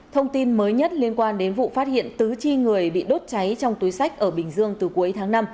thông tin mới nhất liên quan đến vụ phát hiện tứ chi người bị đốt cháy trong túi sách ở bình dương từ cuối tháng năm